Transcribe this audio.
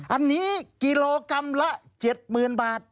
อันนี้กกละ๗๐๐๐๐บาท